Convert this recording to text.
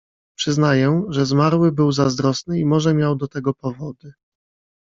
"Przyznaję, że zmarły był zazdrosny i może miał do tego powody."